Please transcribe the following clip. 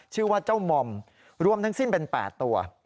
ชื่อว่าเจ้ามอมรวมทั้งสิ้นเป็น๘ตัว